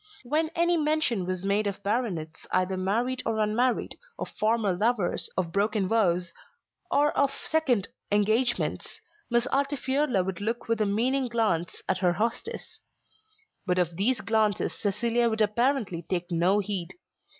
When any mention was made of baronets either married or unmarried, of former lovers, of broken vows, or of second engagements, Miss Altifiorla would look with a meaning glance at her hostess. But of these glances Cecilia would apparently take no heed.